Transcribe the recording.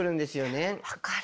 分かる！